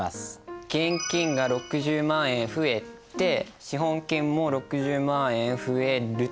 現金が６０万円増えて資本金も６０万円増えると。